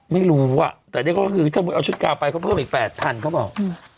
ไม่รู้วะแต่นี่ก็คือเอาชุดกล้าวไปเขาเพิ่มอีก๘๐๐๐บาทเขาบอก